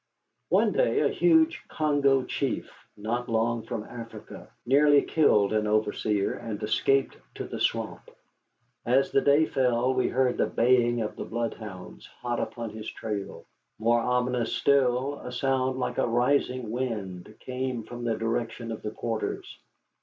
One day a huge Congo chief, not long from Africa, nearly killed an overseer, and escaped to the swamp. As the day fell, we heard the baying of the bloodhounds hot upon his trail. More ominous still, a sound like a rising wind came from the direction of the quarters.